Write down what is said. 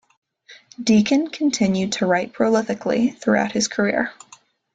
Deakin continued to write prolifically throughout his career.